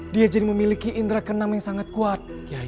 dia jadi memiliki kekuatan yang sangat kuat